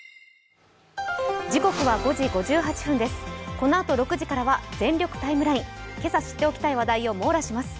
このあと６時からは「全力ＴＩＭＥライン」今朝知っておきたい話題を網羅します。